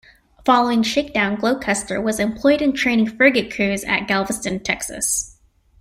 Following shakedown, "Gloucester" was employed in training frigate crews at Galveston, Texas.